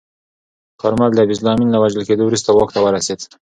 کارمل د حفیظالله امین له وژل کېدو وروسته واک ته ورسید.